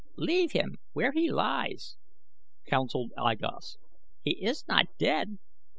"Leave him where he lies," counseled I Gos. "He is not dead.